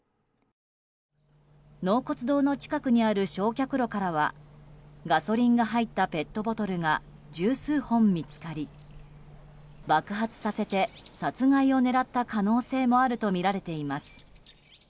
納骨堂の近くにある焼却炉からはガソリンが入ったペットボトルが十数本見つかり爆発させて殺害を狙った可能性もあるとみられています。